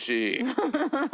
ハハハハ！